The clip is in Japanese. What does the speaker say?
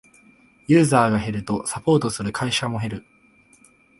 ユーザーが減るとサポートする会社も減る